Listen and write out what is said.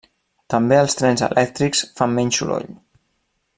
També els trens elèctrics fan menys soroll.